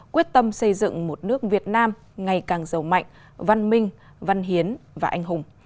quyết tâm xây dựng một nước việt nam ngày càng giàu mạnh văn minh văn hiến và anh hùng